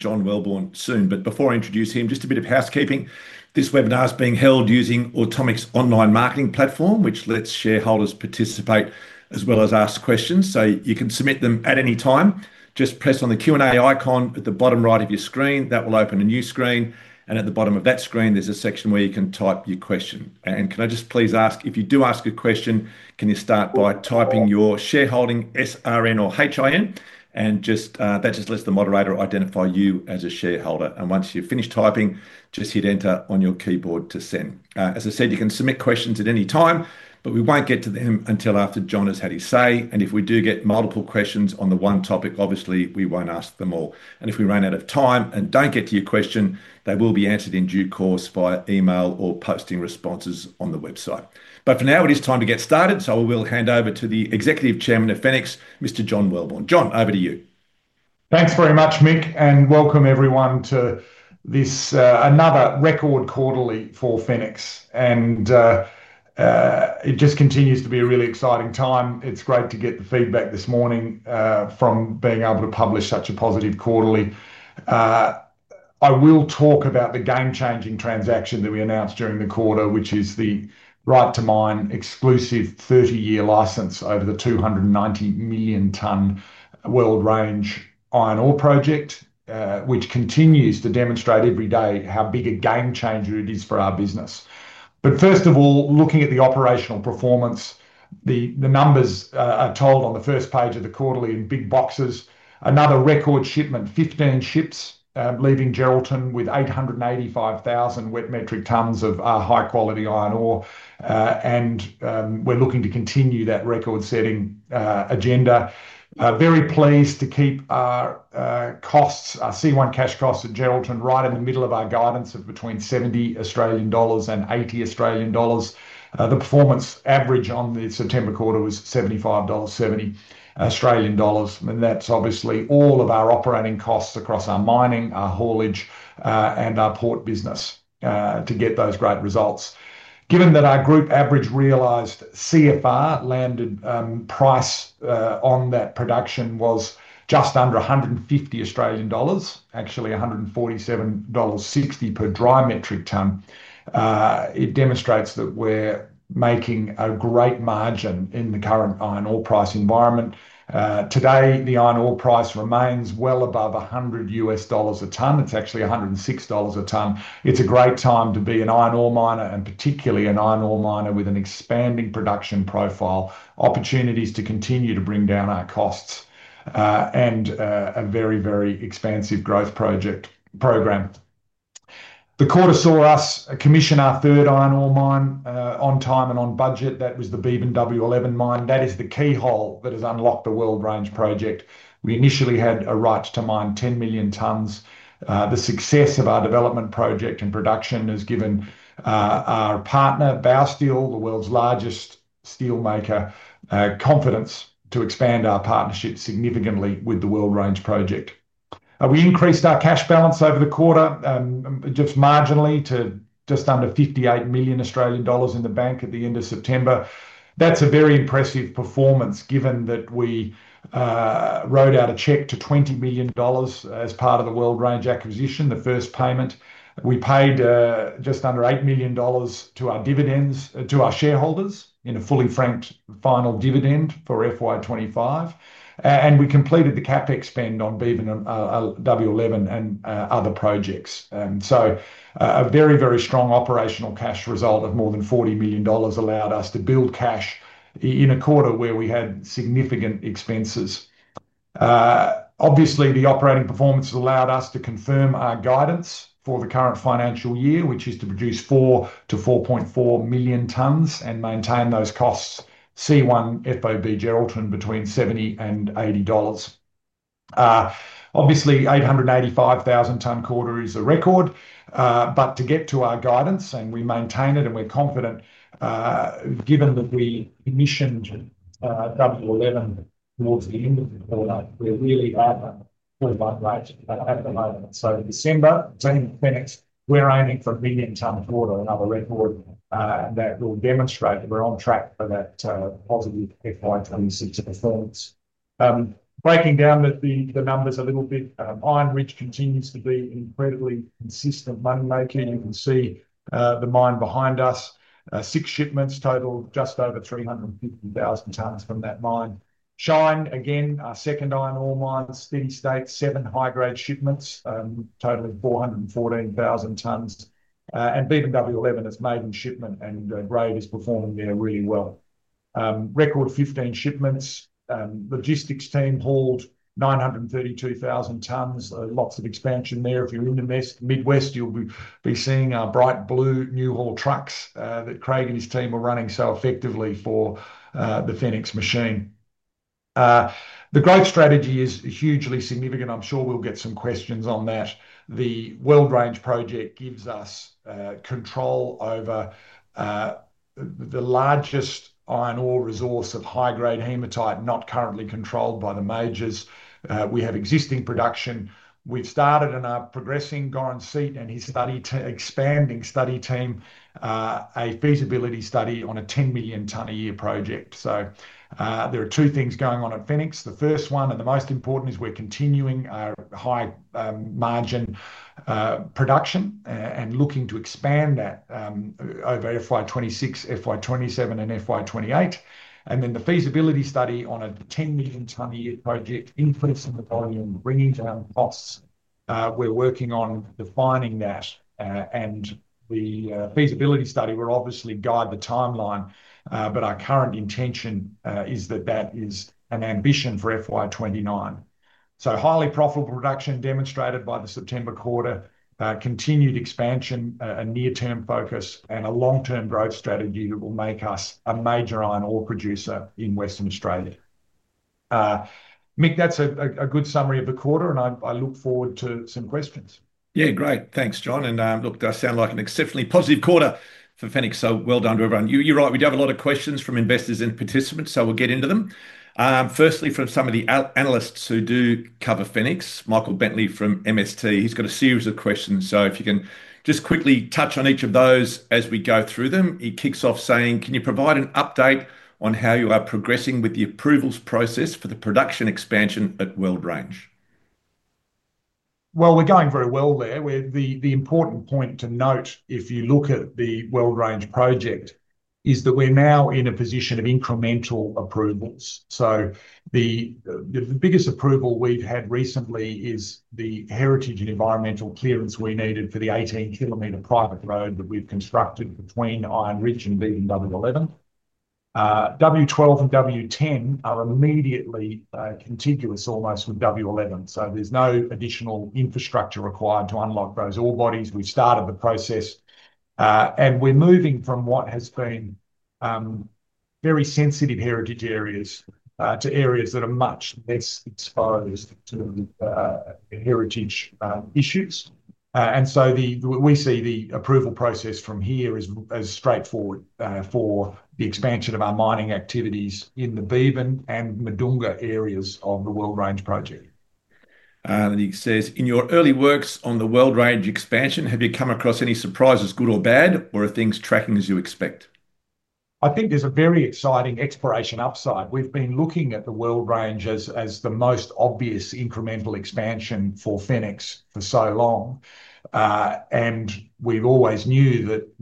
John Welborn soon, but before I introduce him, just a bit of housekeeping. This webinar is being held using Automix's online marketing platform, which lets shareholders participate as well as ask questions. You can submit them at any time. Just press on the Q&A icon at the bottom right of your screen. That will open a new screen, and at the bottom of that screen, there's a section where you can type your question. Can I just please ask, if you do ask a question, can you start by typing your shareholding SRN or HIN? That just lets the moderator identify you as a shareholder. Once you finish typing, just hit Enter on your keyboard to send. As I said, you can submit questions at any time, but we won't get to them until after John has had his say. If we do get multiple questions on the one topic, obviously we won't ask them all. If we run out of time and don't get to your question, they will be answered in due course via email or posting responses on the website. For now, it is time to get started. We will hand over to the Executive Chairman of Fenix, Mr. John Welborn. John, over to you. Thanks very much, Mick, and welcome everyone to this another record quarterly for Fenix. It just continues to be a really exciting time. It's great to get the feedback this morning from being able to publish such a positive quarterly. I will talk about the game-changing transaction that we announced during the quarter, which is the right to mine exclusive 30-year license over the 290 million ton World Range iron ore project, which continues to demonstrate every day how big a game changer it is for our business. First of all, looking at the operational performance, the numbers are told on the first page of the quarterly in big boxes. Another record shipment, 15 ships, leaving Geraldton with 885,000 wet metric tons of high-quality iron ore. We're looking to continue that record-setting agenda. Very pleased to keep our costs, our C1 cash costs at Geraldton right in the middle of our guidance of between 70 Australian dollars and 80 Australian dollars. The performance average on the September quarter was 75.70 Australian dollars. That's obviously all of our operating costs across our mining, our haulage, and our port business to get those great results. Given that our group average realized CFR landed price on that production was just under 150 Australian dollars, actually 147.60 dollars per dry metric ton, it demonstrates that we're making a great margin in the current iron ore price environment. Today, the iron ore price remains well above $100 a ton. It's actually $106 a ton. It's a great time to be an iron ore miner and particularly an iron ore miner with an expanding production profile, opportunities to continue to bring down our costs, and a very, very expansive growth program. The quarter saw us commission our third iron ore mine on time and on budget. That was the Beebyn-W11 mine. That is the keyhole that has unlocked the World Range project. We initially had a right to mine 10 million tons. The success of our development project and production has given our partner, Baosteel, the world's largest steelmaker, confidence to expand our partnership significantly with the World Range project. We increased our cash balance over the quarter just marginally to just under 58 million Australian dollars in the bank at the end of September. That's a very impressive performance given that we wrote out a check for $20 million as part of the World Range acquisition, the first payment. We paid just under $8 million in dividends to our shareholders in a fully franked final dividend for FY 2025. We completed the CapEx on Beebyn-W11 and other projects. A very, very strong operational cash result of more than $40 million allowed us to build cash in a quarter where we had significant expenses. The operating performance allowed us to confirm our guidance for the current financial year, which is to produce 4 million to 4.4 million tons and maintain those C1 cash costs FOB Geraldton between $70 and $80. An 885,000 ton quarter is a record. To get to our guidance, we maintain it and we're confident, given that we commissioned Beebyn-W11 towards the end of the quarter, we're really at a quarter mark right at the moment. December, team Fenix, we're aiming for a million ton quarter, another record that will demonstrate that we're on track for that positive FY 2026 performance. Breaking down the numbers a little bit, Iron Ridge continues to be incredibly consistent money making. You can see the mine behind us, six shipments total, just over 350,000 tons from that mine. Shine, again, our second iron ore mine, steady state, seven high-grade shipments, totaling 414,000 tons. Beebyn-W11 has made its maiden shipment and grade is performing there really well. Record 15 shipments, logistics team hauled 932,000 tons, lots of expansion there. If you're in the Midwest, you'll be seeing our bright blue new haul trucks that Craig and his team are running so effectively for the Fenix machine. The growth strategy is hugely significant. I'm sure we'll get some questions on that. The World Range project gives us control over the largest iron ore resource of high-grade hematite not currently controlled by the majors. We have existing production. We've started and are progressing Garn Seat and his expanding study team, a feasibility study on a 10 million ton a year project. There are two things going on at Fenix. The first one and the most important is we're continuing our high margin production and looking to expand that over FY 2026, FY 2027, and FY 2028. The feasibility study on a 10 million ton a year project, increasing the volume, bringing down costs. We're working on defining that. The feasibility study will obviously guide the timeline, but our current intention is that that is an ambition for FY 2029. Highly profitable production demonstrated by the September quarter, continued expansion, a near-term focus, and a long-term growth strategy that will make us a major iron ore producer in Western Australia. Mick, that's a good summary of the quarter, and I look forward to some questions. Yeah, great. Thanks, John. It does sound like an exceptionally positive quarter for Fenix. Well done to everyone. You're right, we do have a lot of questions from investors and participants, so we'll get into them. Firstly, from some of the analysts who do cover Fenix, Michael Bentley from MST has a series of questions. If you can just quickly touch on each of those as we go through them. He kicks off saying, can you provide an update on how you are progressing with the approvals process for the production expansion at World Range? We're going very well there. The important point to note, if you look at the World Range project, is that we're now in a position of incremental approvals. The biggest approval we've had recently is the heritage and environmental clearance we needed for the 18 km private haul road that we've constructed between Iron Ridge and Beebyn-W11. W-12 and W-10 are immediately contiguous almost with W11, so there's no additional infrastructure required to unlock those ore bodies. We've started the process, and we're moving from what has been very sensitive heritage areas to areas that are much less exposed to heritage issues. We see the approval process from here as straightforward for the expansion of our mining activities in the Beebyn and Madoonga areas of the World Range project. In your early works on the World Range expansion, have you come across any surprises, good or bad, or are things tracking as you expect? I think there's a very exciting exploration upside. We've been looking at the World Range as the most obvious incremental expansion for Fenix for so long. We always knew that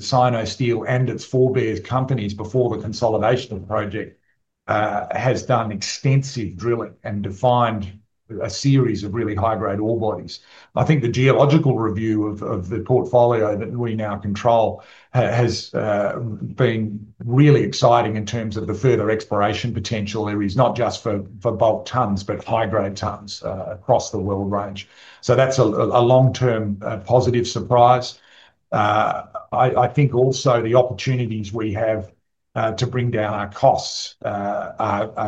Sinosteel and its forebear companies before the consolidation of the project have done extensive drilling and defined a series of really high-grade ore bodies. I think the geological review of the portfolio that we now control has been really exciting in terms of the further exploration potential there is, not just for bulk tons, but high-grade tons across the World Range. That's a long-term positive surprise. I think also the opportunities we have to bring down our costs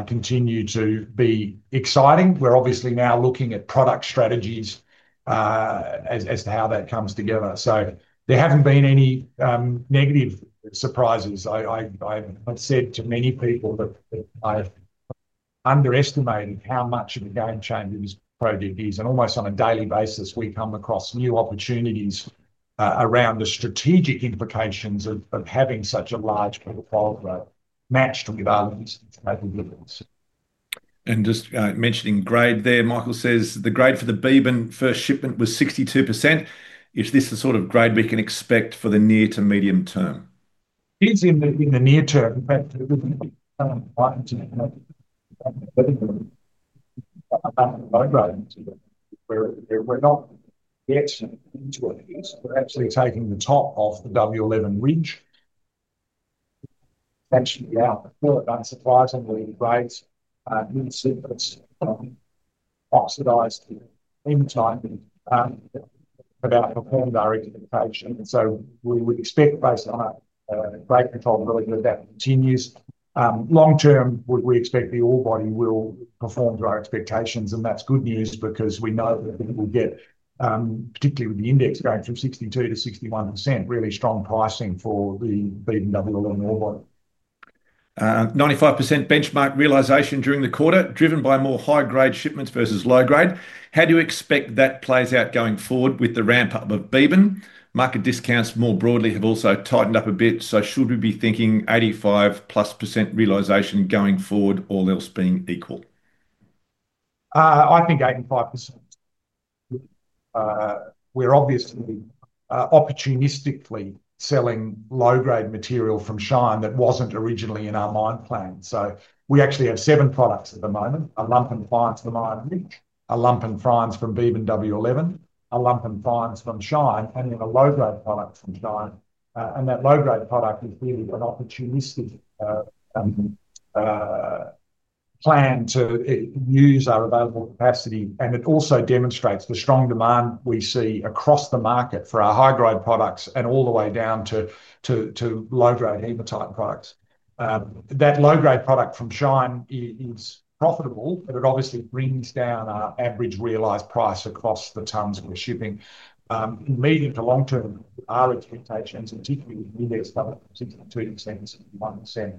continue to be exciting. We're obviously now looking at product strategies as to how that comes together. There haven't been any negative surprises. I have said to many people that I've underestimated how much of a game changer this project is. Almost on a daily basis, we come across new opportunities around the strategic implications of having such a large portfolio matched with our logistics capabilities. Just mentioning grade there, Michael says the grade for the Beebyn first shipment was 62%. Is this the sort of grade we can expect for the near to medium term? It is in the near term. In fact, it wouldn't be unlikely to expect a low grade incident where we're not yet into a fix. We're actually taking the top off the Beebyn-W11 ridge. Actually, our supplies on the grades insert that's oxidized in time and have outperformed our expectation. We would expect, based on our grade control, really good that continues. Long term, we expect the ore body will perform to our expectations. That's good news because we know that it will get, particularly with the index going from 62%-61%, really strong pricing for the Beebyn-W11 ore body. 95% benchmark realization during the quarter, driven by more high-grade shipments versus low grade. How do you expect that plays out going forward with the ramp-up of Beebyn? Market discounts more broadly have also tightened up a bit. Should we be thinking 85%+ realization going forward, all else being equal? I think 85%. We're obviously opportunistically selling low-grade material from Shine that wasn't originally in our mine plan. We actually have seven products at the moment: a lump and fine from Iron Ridge, a lump and fine from Beebyn-W11, a lump and fine from Shine, and then a low-grade product from Shine. That low-grade product is really an opportunistic plan to use our available capacity. It also demonstrates the strong demand we see across the market for our high-grade products and all the way down to low-grade hematite products. That low-grade product from Shine is profitable, but it obviously brings down our average realized price across the tons we're shipping. In the medium to long term, our expectations, and particularly with the index up to 2% and 1%,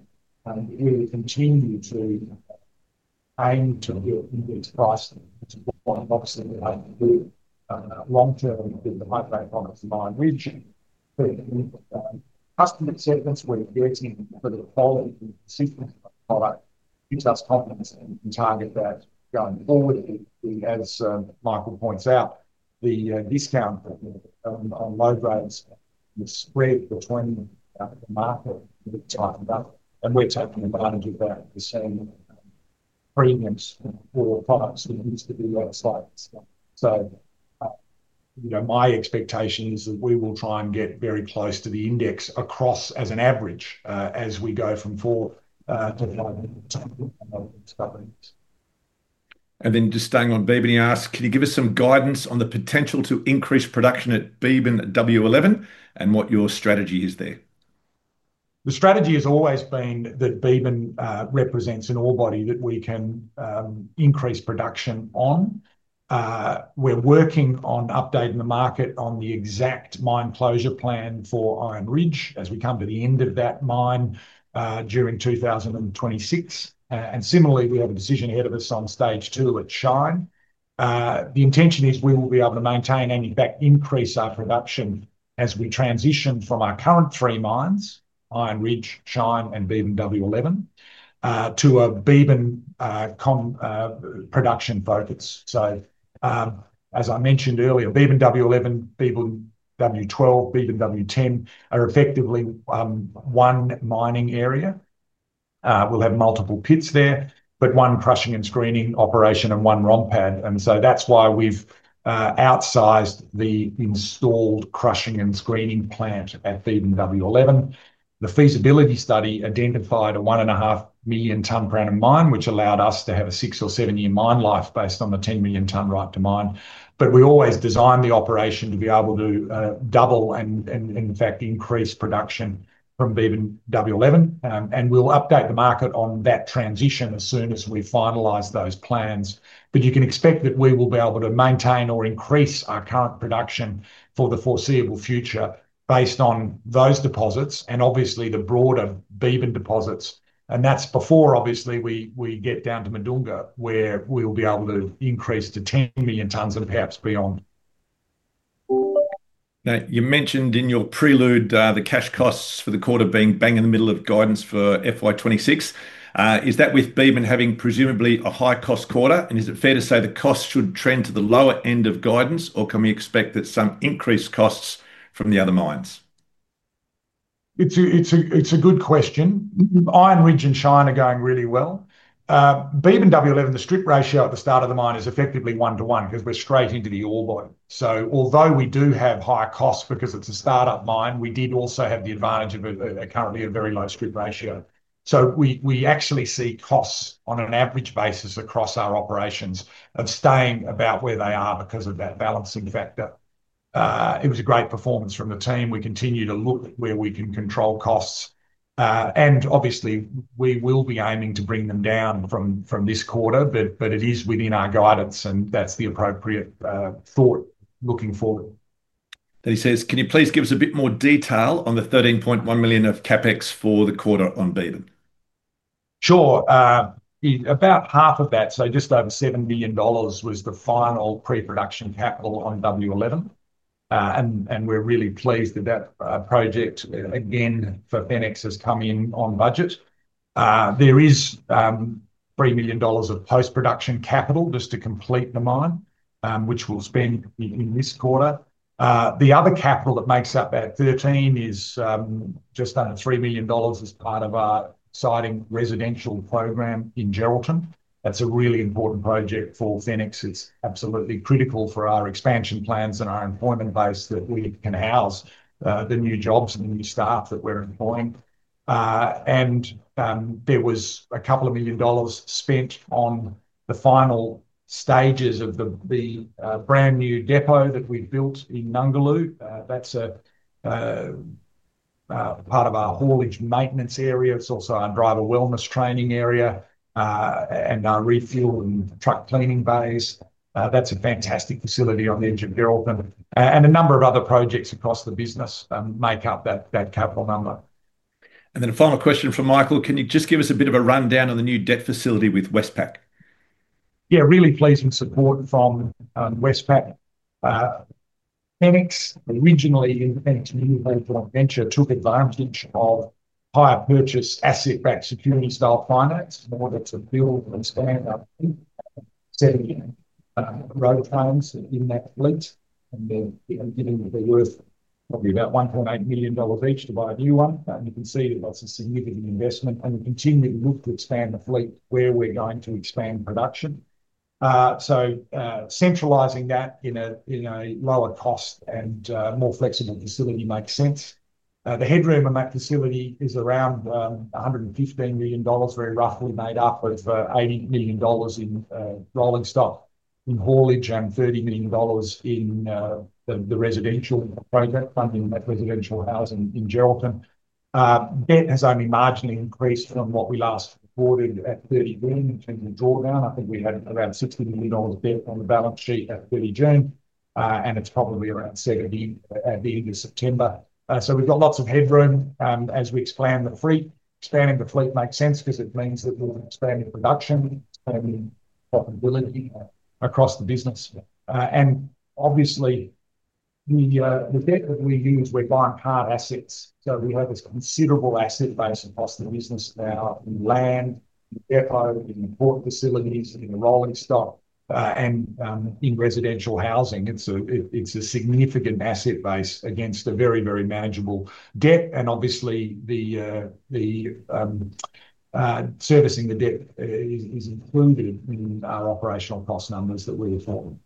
we will continue to aim to build index pricing to the point we'd like to do it long term with the high-grade products from Iron Ridge. With customer acceptance we're getting for the quality and consistency of the product, it gives us confidence and can target that going forward. As Michael points out, the discount on low grades is spread between the market. We're taking advantage of that to save premiums for products that used to be outside. My expectation is that we will try and get very close to the index across as an average as we go from 4%-5%. Just staying on Beebyn-W11, can you give us some guidance on the potential to increase production at Beebyn-W11 and what your strategy is there? The strategy has always been that Beebyn represents an ore body that we can increase production on. We're working on updating the market on the exact mine closure plan for Iron Ridge as we come to the end of that mine during 2026. Similarly, we have a decision ahead of us on stage two at Shine. The intention is we will be able to maintain, and in fact, increase our production as we transition from our current three mines, Iron Ridge, Shine, and Beebyn-W11, to a Beebyn production focus. As I mentioned earlier, Beebyn-W11, Beebyn W-12, and Beebyn W-10 are effectively one mining area. We'll have multiple pits there, but one crushing and screening operation and one ROM pad. That's why we've outsized the installed crushing and screening plant at Beebyn-W11. The feasibility study identified a 1.5 million ton per annum mine, which allowed us to have a six or seven-year mine life based on the 10 million ton right to mine. We always design the operation to be able to double and, in fact, increase production from Beebyn-W11. We'll update the market on that transition as soon as we finalize those plans. You can expect that we will be able to maintain or increase our current production for the foreseeable future based on those deposits and obviously the broader Beebyn deposits. That's before we get down to Madoonga where we'll be able to increase to 10 million tons and perhaps beyond. Now you mentioned in your prelude the cash costs for the quarter being bang in the middle of guidance for FY 2026. Is that with Beebyn-W11 having presumably a high cost quarter? Is it fair to say the cost should trend to the lower end of guidance, or can we expect that some increased costs from the other mines? It's a good question. Iron Ridge and Shine are going really well. Beebyn-W11, the strip ratio at the start of the mine is effectively one to one because we're straight into the ore body. Although we do have higher costs because it's a startup mine, we did also have the advantage of currently a very low strip ratio. We actually see costs on an average basis across our operations of staying about where they are because of that balancing factor. It was a great performance from the team. We continue to look at where we can control costs. Obviously, we will be aiming to bring them down from this quarter, but it is within our guidance and that's the appropriate thought looking forward. Can you please give us a bit more detail on the $13.1 million of CapEx for the quarter on Beebyn? Sure. About half of that, so just over $7 million, was the final pre-production capital on Beebyn-W11. We're really pleased that that project again for Fenix has come in on budget. There is $3 million of post-production capital just to complete the mine, which we'll spend in this quarter. The other capital that makes up that $13 million is just under $3 million as part of our exciting residential program in Geraldton. That's a really important project for Fenix. It's absolutely critical for our expansion plans and our employment base that we can house the new jobs and the new staff that we're employing. There was a couple of million dollars spent on the final stages of the brand new depot that we've built in Nungalu. That's a part of our haulage maintenance area. It's also our driver wellness training area and our refuel and truck cleaning bays. That's a fantastic facility on the edge of Geraldton. A number of other projects across the business make up that capital number. A final question from Michael. Can you just give us a bit of a rundown on the new debt facility with Westpac? Yeah, really pleasing support from Westpac. Fenix, originally in Fenix New Venture, took advantage of higher purchase asset-backed security-style finance in order to build and stand up road trains in that fleet. They're giving the Earth probably about $1.8 million each to buy a new one. You can see that that's a significant investment. We continue to look to expand the fleet where we're going to expand production. Centralizing that in a lower cost and more flexible facility makes sense. The headroom in that facility is around $115 million, very roughly made up of $80 million in rolling stock in haulage and $30 million in the residential project funding that residential housing in Geraldton. Debt has only marginally increased from what we last reported at 30 June in terms of drawdown. I think we had around $60 million debt on the balance sheet at 30 June. It's probably around $70 million at the end of September. We've got lots of headroom. As we expand the fleet, expanding the fleet makes sense because it means that we'll be expanding production, expanding profitability across the business. Obviously, the debt that we use, we're buying hard assets. We have this considerable asset base across the business now in land, in depot, in port facilities, in rolling stock, and in residential housing. It's a significant asset base against a very, very manageable debt. Obviously, servicing the debt is included in our operational cost numbers that we're reporting.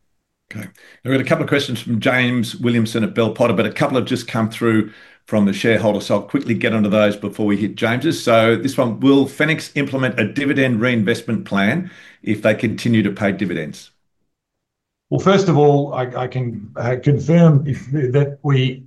Okay. We've got a couple of questions from James Williamson at Bell Potter, but a couple have just come through from the shareholder. I'll quickly get onto those before we hit James's. This one, will Fenix implement a dividend reinvestment scheme if they continue to pay dividends? First of all, I can confirm that we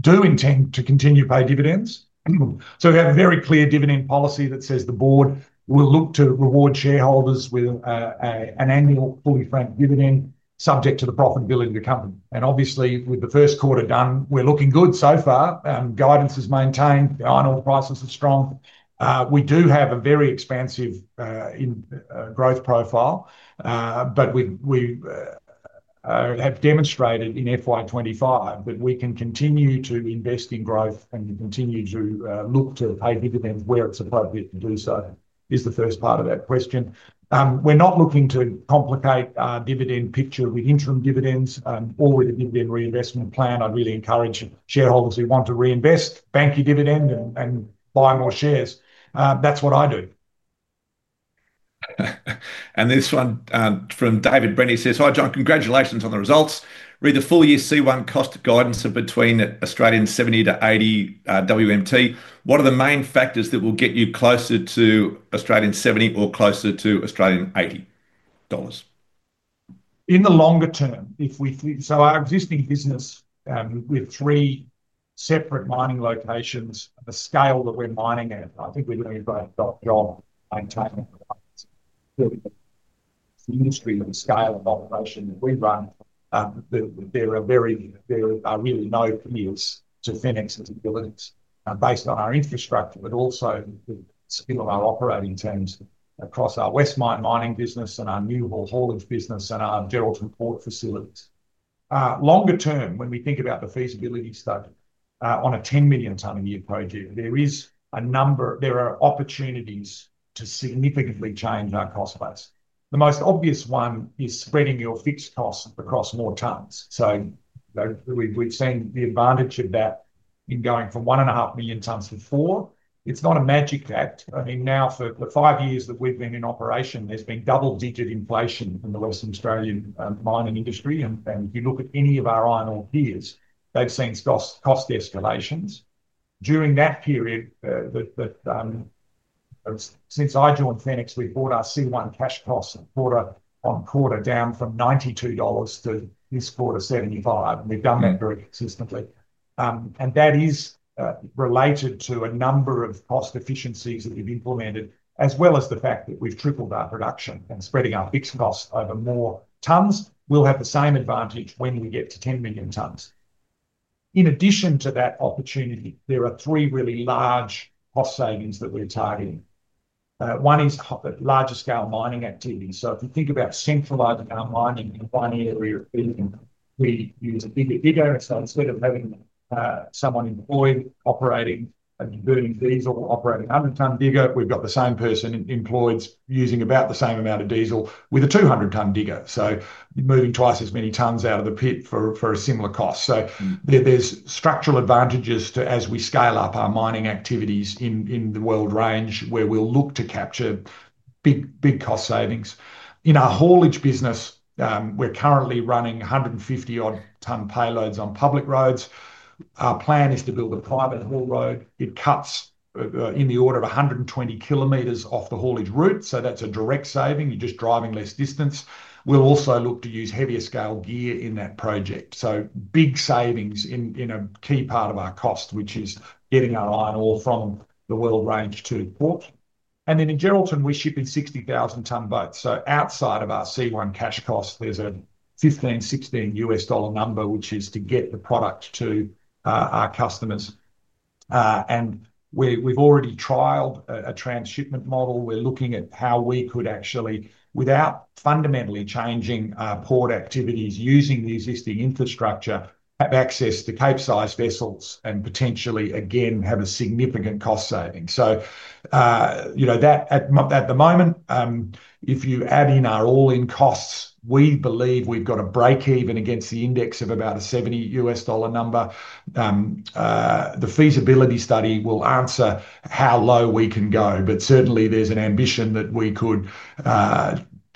do intend to continue to pay dividends. We have a very clear dividend policy that says the board will look to reward shareholders with an annual fully franked dividend subject to the profitability of the company. Obviously, with the first quarter done, we're looking good so far. Guidance is maintained. The iron ore prices are strong. We do have a very expansive growth profile. We have demonstrated in FY 2025 that we can continue to invest in growth and continue to look to pay dividends where it's appropriate to do so, is the first part of that question. We're not looking to complicate our dividend picture with interim dividends or with a dividend reinvestment scheme. I'd really encourage shareholders who want to reinvest, bank your dividend and buy more shares. That's what I do. This one from David Brennie says, hi John, congratulations on the results. Read the full year C1 cash cost guidance of between 70 to 80 per wet metric ton. What are the main factors that will get you closer to 70 or closer to 80 Australian dollars? In the longer term, if we think, our existing business with three separate mining locations, the scale that we're mining at, I think we're doing a great job maintaining the industry and the scale of operation that we run. There are really no fears to Fenix abilities based on our infrastructure, but also the skill of our operating teams across our West Mine mining business and our Fenix-Newhaul haulage business and our Geraldton port facilities. Longer term, when we think about the feasibility study on a 10 million ton a year project, there are opportunities to significantly change our cost base. The most obvious one is spreading your fixed costs across more tons. We've seen the advantage of that in going from 1.5 million tons to 4 million tons. It's not a magic fact. For the five years that we've been in operation, there's been double-digit inflation in the Western Australian mining industry. If you look at any of our iron ore peers, they've seen cost escalations. During that period, since I joined Fenix, we've brought our C1 cash costs quarter on quarter down from $92 to this quarter $75. We've done that very consistently. That is related to a number of cost efficiencies that we've implemented, as well as the fact that we've tripled our production and spread our fixed costs over more tons. We'll have the same advantage when we get to 10 million tons. In addition to that opportunity, there are three really large cost savings that we're targeting. One is larger scale mining activities. If you think about centralizing our mining in one area of Beebyn-W11, we use a bigger digger. Instead of having someone employed operating a burning diesel, operating a 100 ton digger, we've got the same person employed using about the same amount of diesel with a 200 ton digger. You're moving twice as many tons out of the pit for a similar cost. There are structural advantages as we scale up our mining activities in the World Range where we'll look to capture big cost savings. In our haulage business, we're currently running 150 odd ton payloads on public roads. Our plan is to build a private haul road. It cuts in the order of 120 km off the haulage route. That's a direct saving. You're just driving less distance. We'll also look to use heavier scale gear in that project. There are big savings in a key part of our cost, which is getting our iron ore from the World Range to port. In Geraldton, we're shipping 60,000 ton boats. Outside of our C1 cash costs, there's a $15, $16 number, which is to get the product to our customers. We've already trialed a transshipment model. We're looking at how we could actually, without fundamentally changing our port activities, using the existing infrastructure, have access to cape-sized vessels and potentially again have a significant cost saving. You know that at the moment, if you add in our all-in costs, we believe we've got a break-even against the index of about a $70 number. The feasibility study will answer how low we can go. There is certainly an ambition that we could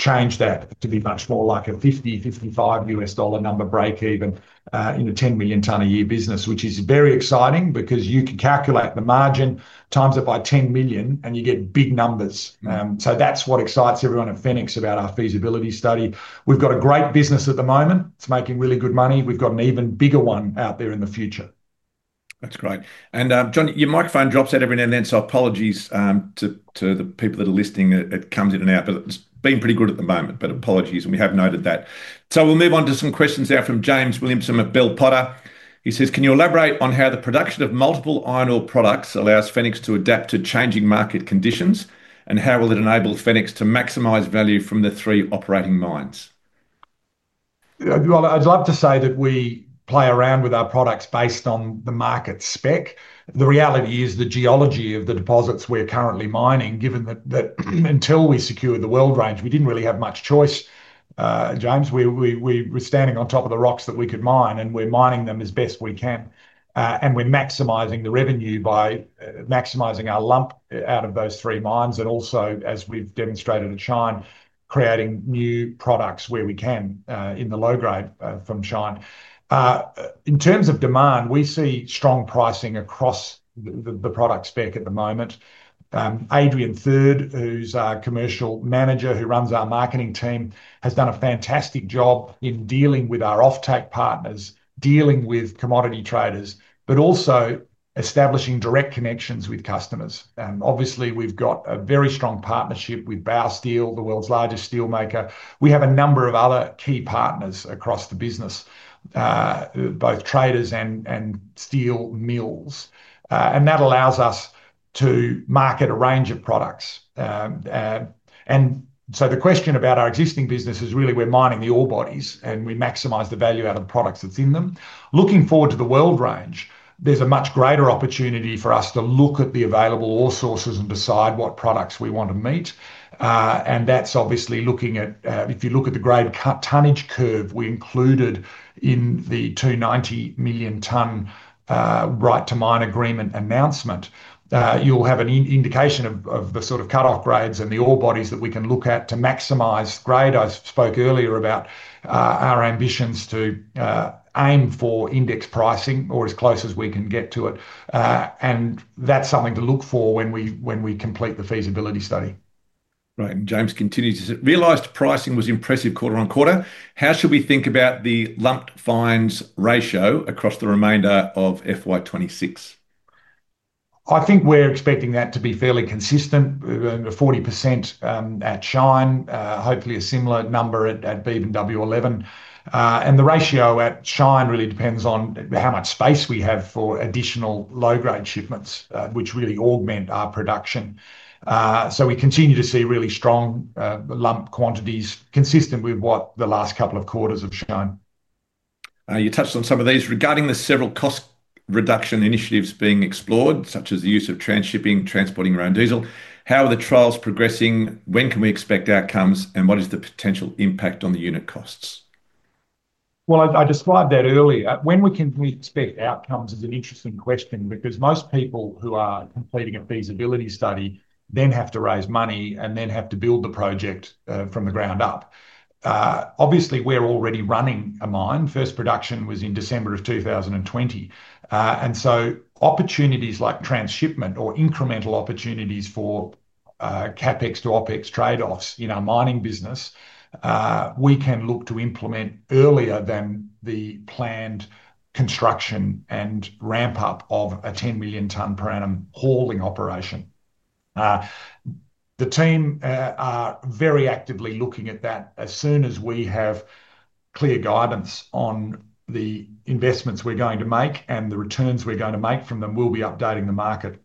change that to be much more like a $50, $55 number break-even in a 10 million ton a year business, which is very exciting because you can calculate the margin, times it by 10 million, and you get big numbers. That is what excites everyone at Fenix about our feasibility study. We've got a great business at the moment. It's making really good money. We've got an even bigger one out there in the future. That's great. John, your microphone drops out every now and then. Apologies to the people that are listening. It comes in and out, but it's been pretty good at the moment. Apologies, and we have noted that. We'll move on to some questions now from James Williamson at Bell Potter. He says, can you elaborate on how the production of multiple iron ore products allows Fenix to adapt to changing market conditions? How will it enable Fenix to maximize value from the three operating mines? I'd love to say that we play around with our products based on the market spec. The reality is the geology of the deposits we're currently mining, given that until we secured the World Range, we didn't really have much choice. James, we're standing on top of the rocks that we could mine, and we're mining them as best we can. We're maximizing the revenue by maximizing our lump out of those three mines. Also, as we've demonstrated at Shine, creating new products where we can in the low grade from Shine. In terms of demand, we see strong pricing across the product spec at the moment. Adrian Third, who's our Commercial Manager who runs our marketing team, has done a fantastic job in dealing with our off-take partners, dealing with commodity traders, but also establishing direct connections with customers. Obviously, we've got a very strong partnership with Baosteel, the world's largest steelmaker. We have a number of other key partners across the business, both traders and steel mills. That allows us to market a range of products. The question about our existing business is really we're mining the ore bodies, and we maximize the value out of the products that's in them. Looking forward to the World Range, there's a much greater opportunity for us to look at the available ore sources and decide what products we want to meet. That's obviously looking at, if you look at the grade tonnage curve we included in the 290 million ton right to mine agreement announcement, you'll have an indication of the sort of cut-off grades and the ore bodies that we can look at to maximize grade. I spoke earlier about our ambitions to aim for index pricing or as close as we can get to it. That's something to look for when we complete the feasibility study. Right. James continues to say, realized pricing was impressive quarter on quarter. How should we think about the lump and fines ratio across the remainder of FY 2026? I think we're expecting that to be fairly consistent, 40% at Shine, hopefully a similar number at Beebyn-W11. The ratio at Shine really depends on how much space we have for additional low-grade shipments, which really augment our production. We continue to see really strong lump quantities consistent with what the last couple of quarters of Shine. You touched on some of these regarding the several cost reduction initiatives being explored, such as the use of transshipment, transporting around diesel. How are the trials progressing? When can we expect outcomes? What is the potential impact on the unit costs? I described that earlier. When we can expect outcomes is an interesting question because most people who are completing a feasibility study then have to raise money and then have to build the project from the ground up. Obviously, we're already running a mine. First production was in December 2020, so opportunities like transshipment or incremental opportunities for CapEx to OpEx trade-offs in our mining business, we can look to implement earlier than the planned construction and ramp-up of a 10 million ton per annum hauling operation. The team are very actively looking at that. As soon as we have clear guidance on the investments we're going to make and the returns we're going to make from them, we'll be updating the market.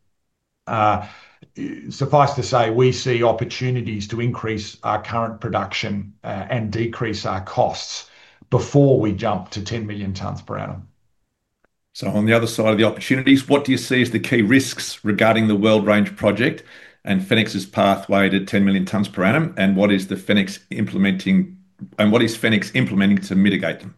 Suffice to say, we see opportunities to increase our current production and decrease our costs before we jump to 10 million tons per annum. On the other side of the opportunities, what do you see as the key risks regarding the World Range project and Fenix's pathway to 10 million tons per annum? What is Fenix implementing to mitigate them?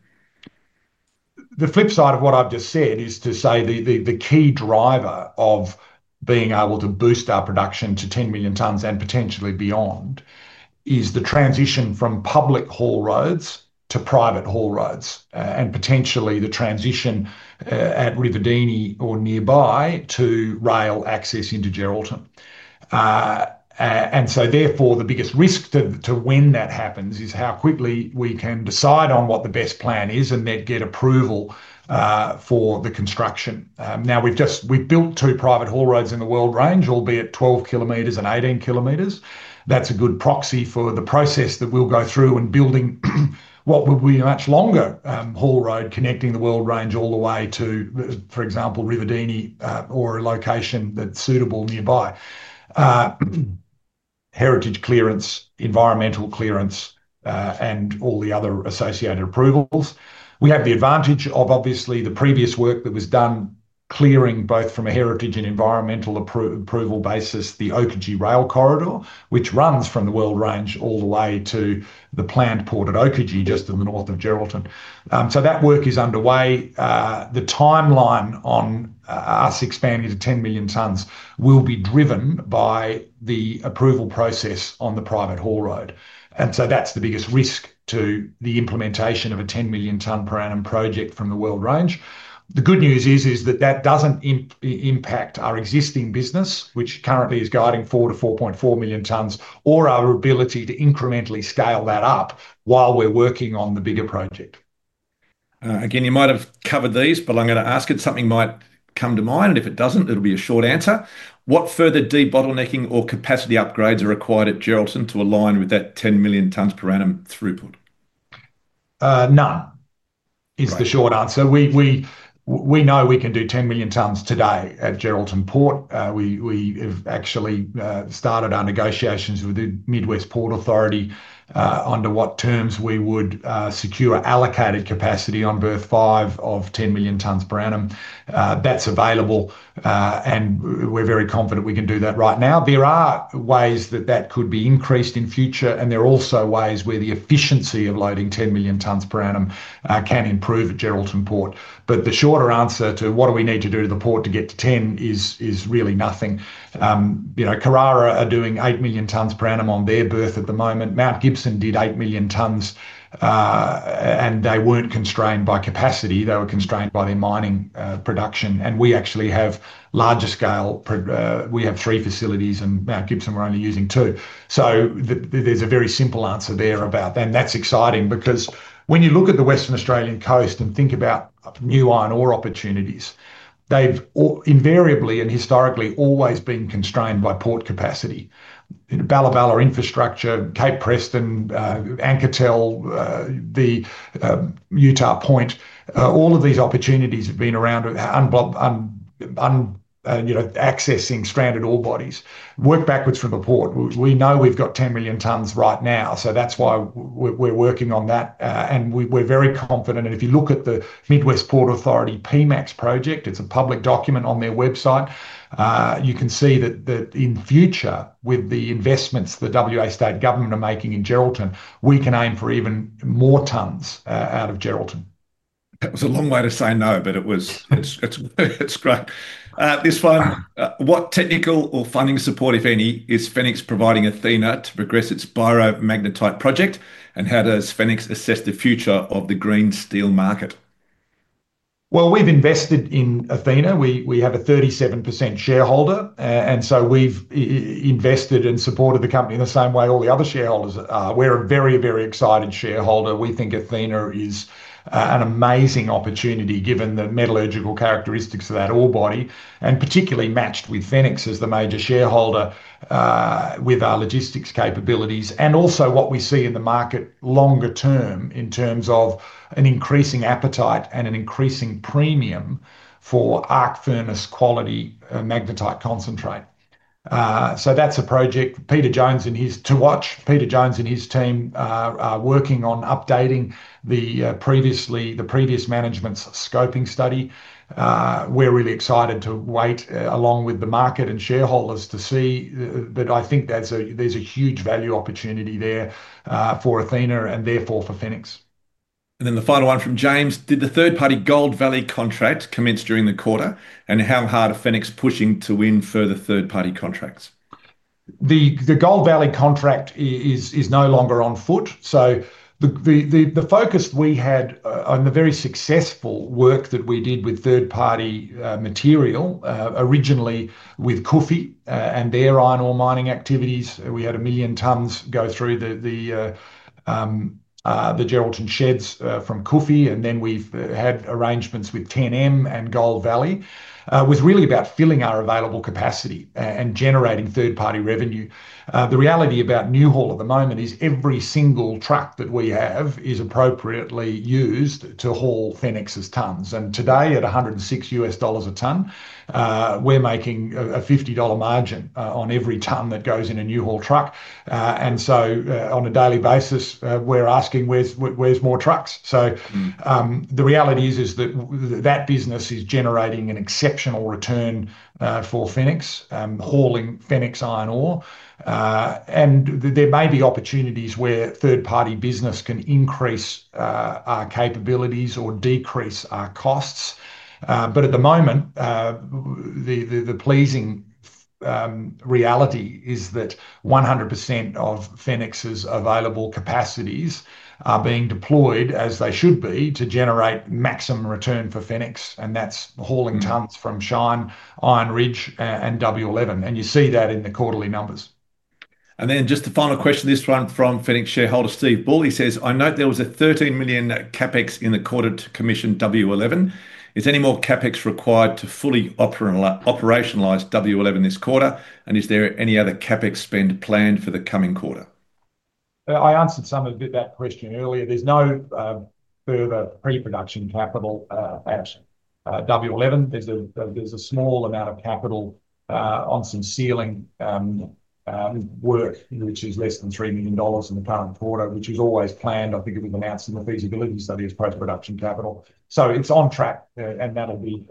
The flip side of what I've just said is to say the key driver of being able to boost our production to 10 million tons and potentially beyond is the transition from public haul roads to private haul roads and potentially the transition at Rivadini or nearby to rail access into Geraldton. Therefore, the biggest risk to when that happens is how quickly we can decide on what the best plan is and then get approval for the construction. We've built two private haul roads in the World Range, albeit 12 km and 18 km. That's a good proxy for the process that we'll go through when building what would be a much longer haul road connecting the World Range all the way to, for example, Rivadini or a location that's suitable nearby. Heritage clearance, environmental clearance, and all the other associated approvals. We have the advantage of obviously the previous work that was done clearing both from a heritage and environmental approval basis, the Oakagee Rail Corridor, which runs from the World Range all the way to the planned port at Oakagee, just in the north of Geraldton. That work is underway. The timeline on us expanding to 10 million tons will be driven by the approval process on the private haul road. That's the biggest risk to the implementation of a 10 million ton per annum project from the World Range. The good news is that that doesn't impact our existing business, which currently is guiding 4 to 4.4 million tons, or our ability to incrementally scale that up while we're working on the bigger project. Again, you might have covered these, but I'm going to ask it. Something might come to mind, and if it doesn't, it'll be a short answer. What further debottlenecking or capacity upgrades are required at Geraldton to align with that 10 million tons per annum throughput? None is the short answer. We know we can do 10 million tons today at Geraldton Port. We have actually started our negotiations with the Midwest Port Authority on what terms we would secure allocated capacity on berth five of 10 million tons per annum. That's available, and we're very confident we can do that right now. There are ways that that could be increased in the future, and there are also ways where the efficiency of loading 10 million tons per annum can improve at Geraldton Port. The shorter answer to what do we need to do to the port to get to 10 is really nothing. Carrara are doing 8 million tons per annum on their berth at the moment. Mount Gibson did 8 million tons, and they weren't constrained by capacity. They were constrained by their mining production. We actually have larger scale. We have three facilities, and Mount Gibson were only using two. There's a very simple answer there about that. That's exciting because when you look at the Western Australian coast and think about new iron ore opportunities, they've invariably and historically always been constrained by port capacity. In Balabalar infrastructure, Cape Preston, Anketel, the Utah Point, all of these opportunities have been around accessing stranded ore bodies. Work backwards from the port. We know we've got 10 million tons right now. That's why we're working on that. We're very confident. If you look at the Midwest Port Authority PMax project, it's a public document on their website. You can see that in the future, with the investments the WA State Government are making in Geraldton, we can aim for even more tons out of Geraldton. That was a long way to say no, but it's great. This one, what technical or funding support, if any, is Fenix providing Athena to progress its biomagnetite project? How does Fenix assess the future of the green steel market? We've invested in Athena. We have a 37% shareholder position, and we've invested and supported the company in the same way all the other shareholders are. We're a very, very excited shareholder. We think Athena is an amazing opportunity given the metallurgical characteristics of that ore body, particularly matched with Fenix as the major shareholder with our logistics capabilities. Also, what we see in the market longer term is an increasing appetite and an increasing premium for arc furnace quality magnetite concentrate. That's a project Peter Jones and his team are working on, updating the previous management scoping study. We're really excited to wait along with the market and shareholders to see. I think there's a huge value opportunity there for Athena and therefore for Fenix. The final one from James. Did the third-party Gold Valley contract commence during the quarter? How hard is Fenix pushing to win further third-party contracts? The Gold Valley contract is no longer on foot. The focus we had on the very successful work that we did with third-party material, originally with Couffi and their iron ore mining activities. We had a million tons go through the Geraldton sheds from Couffi. We've had arrangements with 10M and Gold Valley. It was really about filling our available capacity and generating third-party revenue. The reality about Newhaul at the moment is every single truck that we have is appropriately used to haul Fenix's tons. Today, at $106 per ton, we're making a $50 margin on every ton that goes in a Newhaul truck. On a daily basis, we're asking, where's more trucks? The reality is that business is generating an exceptional return for Fenix, hauling Fenix iron ore. There may be opportunities where third-party business can increase our capabilities or decrease our costs. At the moment, the pleasing reality is that 100% of Fenix's available capacities are being deployed as they should be to generate maximum return for Fenix. That's hauling tons from Shine, Iron Ridge, and W11. You see that in the quarterly numbers. Just a final question, this one from Fenix shareholder Steve Bull. He says, I note there was a $13 million CapEx in the quarter to commission W11. Is any more CapEx required to fully operationalize W11 this quarter? Is there any other CapEx spend planned for the coming quarter? I answered some of that question earlier. There's no further pre-production capital at W11. There's a small amount of capital on some ceiling work, which is less than $3 million in the current quarter, which is always planned. I think it was announced in the feasibility study as post-production capital. It's on track, and that'll be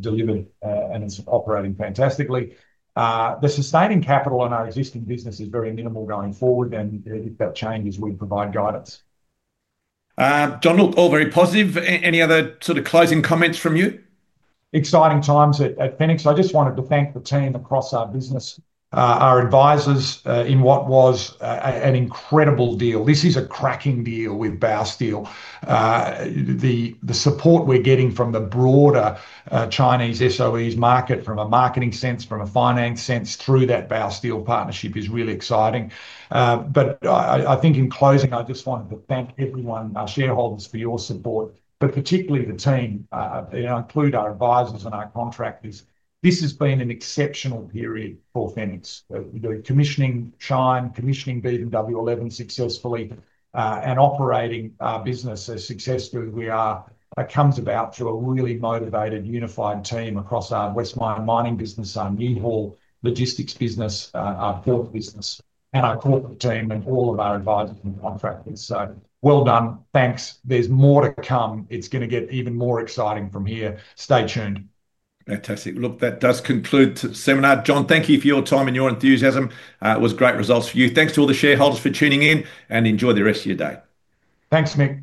delivered, and it's operating fantastically. The sustaining capital in our existing business is very minimal going forward. If that changes, we'd provide guidance. John, all very positive. Any other sort of closing comments from you? Exciting times at Fenix. I just wanted to thank the team across our business, our advisors in what was an incredible deal. This is a cracking deal with Baosteel. The support we're getting from the broader Chinese SOEs market, from a marketing sense, from a finance sense, through that Baosteel partnership is really exciting. I think in closing, I just wanted to thank everyone, our shareholders, for your support, particularly the team. I include our advisors and our contractors. This has been an exceptional period for Fenix. Commissioning Shine, commissioning Beebyn-W11 successfully, and operating our business as successfully as we are comes about through a really motivated unified team across our West Mine mining business, our Fenix-Newhaul haulage business, our port business, our corporate team, and all of our advisors and contractors. Well done. Thanks. There's more to come. It's going to get even more exciting from here. Stay tuned. Fantastic. Look, that does conclude the seminar. John, thank you for your time and your enthusiasm. It was great results for you. Thanks to all the shareholders for tuning in, and enjoy the rest of your day. Thanks, Mick.